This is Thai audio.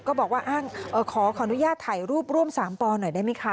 ก็บอกว่าขออนุญาตถ่ายรูปร่วม๓ปอหน่อยได้ไหมคะ